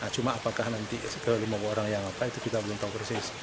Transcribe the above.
cuma apakah nanti ke lima puluh orang yang apa itu kita belum tahu persis